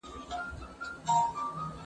زه جواب نه ورکوم!.